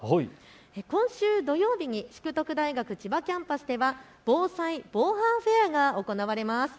今週土曜日に淑徳大学千葉キャンパスでは防災・防犯フェアが行われます。